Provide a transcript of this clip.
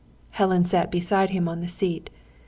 Helen sat beside him on the seat.